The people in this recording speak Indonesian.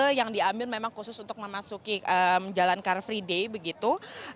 hal yang diambil memang khusus untuk memasuki jalan car free day begitu